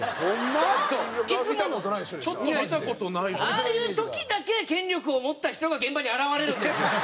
ああいう時だけ権力を持った人が現場に現れるんですよ！